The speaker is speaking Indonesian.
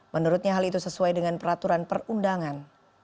menurutnya hal itu sesuai dengan peraturan perundangan